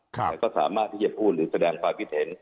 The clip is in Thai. เค้าจะสามารถพูดหรือแสดงความคิดเห็น